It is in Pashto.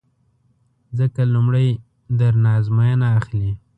ځکه لومړی در نه ازموینه اخلي